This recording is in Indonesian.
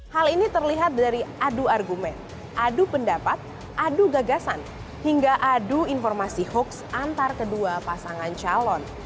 hal ini terlihat dari adu argumen adu pendapat adu gagasan hingga adu informasi hoax antar kedua pasangan calon